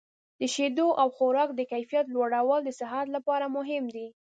د شیدو او خوراک د کیفیت لوړول د صحت لپاره مهم دي.